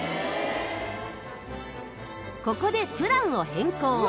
ここでプランを変更。